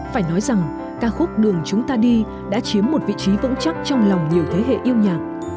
phải nói rằng ca khúc đường chúng ta đi đã chiếm một vị trí vững chắc trong lòng nhiều thế hệ yêu nhạc